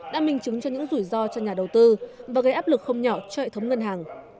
đã minh chứng cho những rủi ro cho nhà đầu tư và gây áp lực không nhỏ cho hệ thống ngân hàng